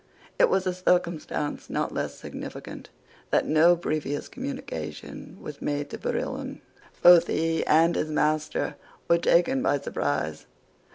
It was a circumstance not less significant that no previous communication was made to Barillon. Both he and his master were taken by surprise.